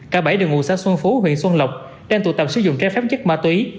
cả bảy đường ngù xa xuân phú huyện xuân lộc đang tụ tập sử dụng trái phép chất ma túy